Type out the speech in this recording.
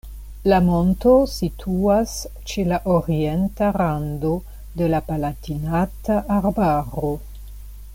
La monto situas ĉe la orienta rando de la Palatinata Arbaro.